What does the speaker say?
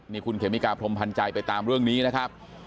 นี่คุณเขมิกาพรมพันธ์ใจไปตามเรื่องนี้นะครับ